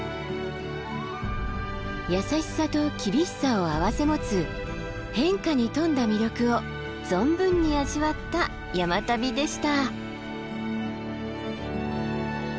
優しさと厳しさを併せ持つ変化に富んだ魅力を存分に味わった山旅でした。